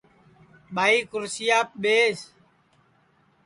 ٻائی کُرسیاپ ٻیس